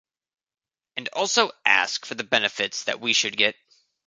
And also ask for the benefits that we should get.